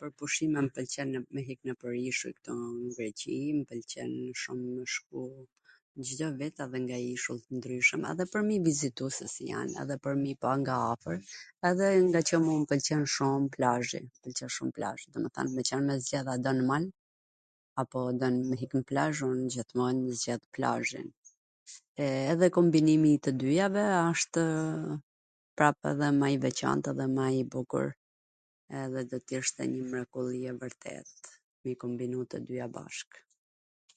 Pwr pushime mw pwlqen me ik nwpwr ishuj ktu n Greqi, mw pwlqen mw shum me shku nw Cdo vjet edhe nga njw ishull tw ndryshwm, edhe pwr me i vizitu se si jan edhe pwr me i pa nga afwr, edhe ngaqw mu m pwlqen shum plazhi, mw shum plazhi, domethwn a don me zgjedh me shku n mal apo don me hik n plazh, un gjithmon zgjedh plazhin, e edhe kombinimi i tw dyjave ashtw prap ma i veCant edhe ma i bukur edhe do t ishte njw mrekulli e vwrtet.